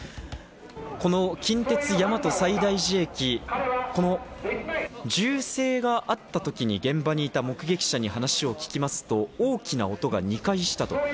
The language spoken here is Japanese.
この近鉄・大和西大寺駅、銃声があった時に現場にいた目撃者に話を聞きますと、大きな音が２回したと。